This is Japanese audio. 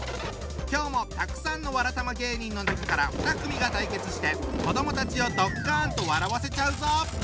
今日もたくさんのわらたま芸人の中から２組が対決して子どもたちをドッカンと笑わせちゃうぞ！